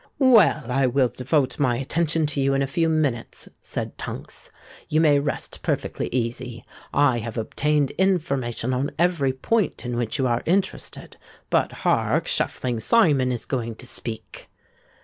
"Well, I will devote my attention to you in a few minutes," said Tunks. "You may rest perfectly easy—I have obtained information on every point in which you are interested. But—hark! Shuffling Simon is going to speak!"